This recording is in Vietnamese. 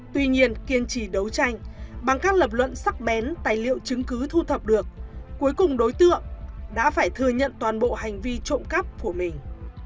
tuy nhiên kiên trì đấu tranh bằng các lập luận sắc bén tài liệu chứng cứ thu thập được cuối cùng đối tượng đã phải thừa nhận toàn bộ hành vi trộm cắp của mình